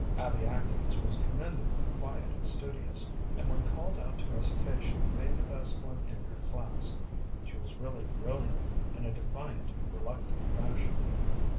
Abby Atkins was commendably quiet and studious, and when called out to recitation made the best one in her class. She was really brilliant in a defiant, reluctant fashion.